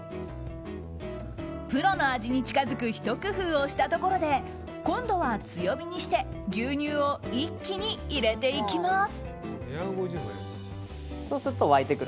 プロの味に近づくひと工夫をしたところで今度は強火にして牛乳を一気に入れていきます。